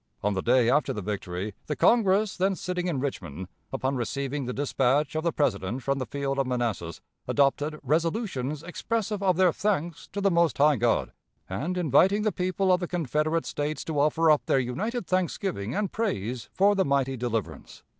On the day after the victory, the Congress, then sitting in Richmond, upon receiving the dispatch of the President from the field of Manassas, adopted resolutions expressive of their thanks to the most high God, and inviting the people of the Confederate States to offer up their united thanksgiving and praise for the mighty deliverance.